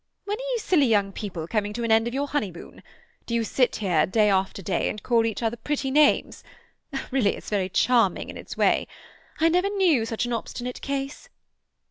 "When are you silly young people coming to an end of your honeymoon? Do you sit here day after day and call each other pretty names? Really it's very charming in its way. I never knew such an obstinate case.